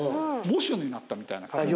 喪主になったみたいな感じ。